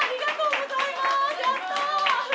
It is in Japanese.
やった！